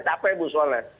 capek bu soalnya